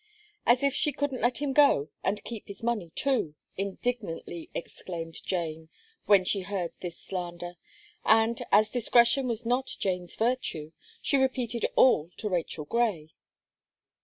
"As if she couldn't let him go, and keep his money too," indignantly exclaimed Jane, when she heard this slander; and, as discretion was not Jane's virtue, she repeated all to Rachel Gray.